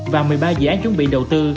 và một mươi ba dự án chuẩn bị đầu tư